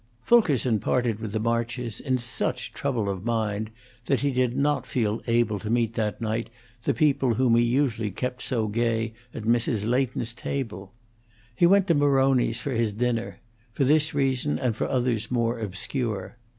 Fulkerson parted with the Marches in such trouble of mind that he did not feel able to meet that night the people whom he usually kept so gay at Mrs. Leighton's table. He went to Maroni's for his dinner, for this reason and for others more obscure.